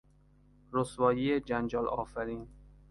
رسوایی جنجال آفرین